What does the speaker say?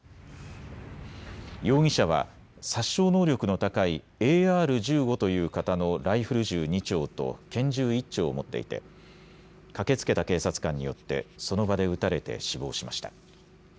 容疑者は殺傷能力の高いＡＲ１５という型のライフル銃２丁と拳銃１丁を持っていて駆けつけた警察官によってその場で撃たれて死亡しました。